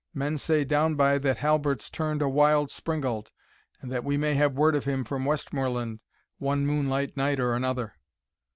Men say downby that Halbert's turned a wild springald, and that we may have word of him from Westmoreland one moonlight night or another."